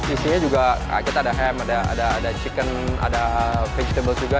isinya juga kita ada ham ada chicken ada victible juga